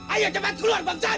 ayo cepat keluar bangsan